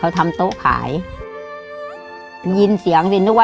หลานก็ทำไม่ได้หลานก็ทำไม่ได้ต้องทำเลี้ยงคนเดียว